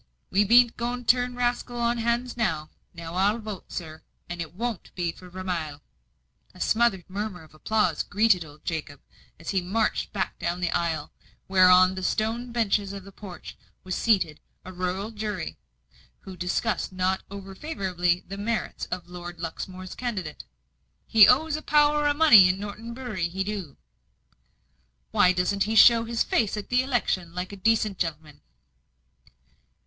We bean't going to turn rascals on's hands now. Now I'll vote, sir, and it won't be for Vermilye." A smothered murmur of applause greeted old Jacob, as he marched back down the aisle, where on the stone benches of the porch was seated a rural jury, who discussed not over favourably the merits of Lord Luxmore's candidate. "He owes a power o' money in Norton Bury he do." "Why doesn't he show his face at the 'lection, like a decent gen'leman?"